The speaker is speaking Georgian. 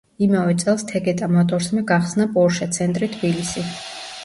იმავე წელს „თეგეტა მოტორსმა“ გახსნა „პორშე ცენტრი თბილისი“.